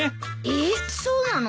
えっそうなの？